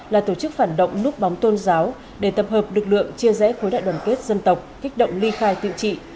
là tổ chức phản động núp bóng tôn giáo để tập hợp lực lượng chia rẽ khối đại đoàn kết dân tộc kích động ly khai tự trị